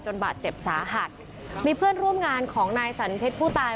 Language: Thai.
บาดเจ็บสาหัสมีเพื่อนร่วมงานของนายสันเพชรผู้ตาย